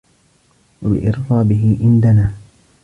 وَبِإِرْغَابِهِ إنْ دَنَا